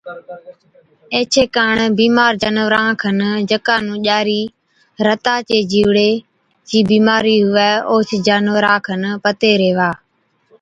ايڇي ڪاڻ بِيمار جانوَران کن جڪا نُون ڄاري (رتا چي جِيوڙين) چِي بِيمارِي هُوَي اوهچ جانوَرا کن پتي ريهوا۔